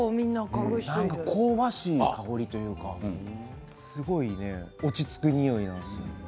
香ばしい香りというかすごく落ち着く匂いなんですよ。